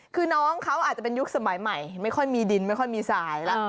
คือน้องเขาอาจจะเป็นยุคสมัยใหม่ไม่ค่อยมีดินไม่ค่อยมีสายแล้ว